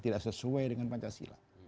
tidak sesuai dengan pancasila